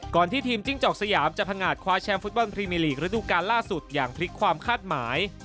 ที่ทีมจิ้งจอกสยามจะพังงาดคว้าแชมป์ฟุตบอลพรีมิลีกระดูกาลล่าสุดอย่างพลิกความคาดหมาย